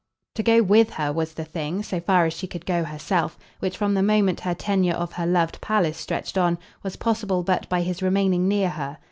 To go WITH her was the thing, so far as she could herself go; which, from the moment her tenure of her loved palace stretched on, was possible but by his remaining near her.